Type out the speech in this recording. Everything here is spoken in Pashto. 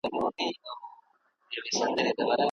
تاسي کله د پښتو د ودې لپاره نوی ګام واخیستی؟